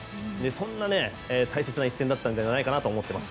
そんな大切な一戦だったんじゃないかと思います。